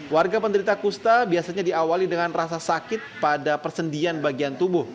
warga penderita kusta biasanya diawali dengan rasa sakit pada persendian bagian tubuh